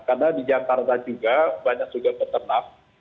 karena di jakarta juga banyak juga peternak